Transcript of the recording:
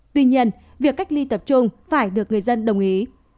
tuy nhiên việc cách ly tập trung phải được người dân đồng ý